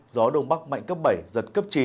gió đông bắc mạnh cấp bảy giật cấp chín